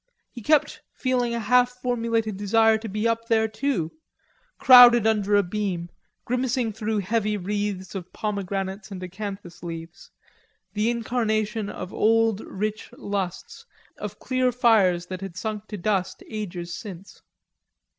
He kept feeling a half formulated desire to be up there too, crowded under a beam, grimacing through heavy wreaths of pomegranates and acanthus leaves, the incarnation of old rich lusts, of clear fires that had sunk to dust ages since.